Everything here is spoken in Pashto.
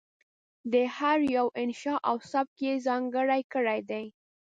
د هر یوه انشأ او سبک یې ځانګړی کړی دی.